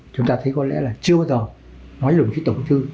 chúng ta thấy có lẽ là chưa bao giờ nói được một cái tổng thư